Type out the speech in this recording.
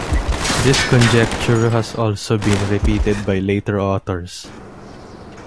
This conjecture has also been repeated by later authors.